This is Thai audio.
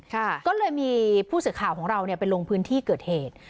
ก็เลยมีผู้สื่อข่าวของเราเนี่ยไปลงพื้นที่เกิดเหตุ